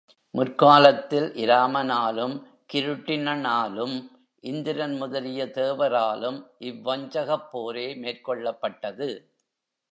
முற்காலத்தில் இராமனாலும் கிருட்டிணனாலும் இந்திரன் முதலிய தேவராலும் இவ்வஞ்சகப் போரே மேற்கொள்ளப்பட்டது.